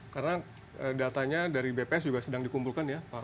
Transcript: karena datanya dari bps juga sedang dikumpulkan ya pak